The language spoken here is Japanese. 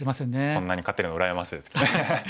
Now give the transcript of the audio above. こんなに勝てるのは羨ましいですけど。